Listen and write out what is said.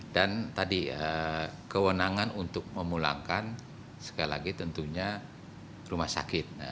dan tadi kewenangan untuk memulangkan sekali lagi tentunya rumah sakit